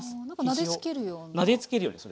なんかなでつけるような。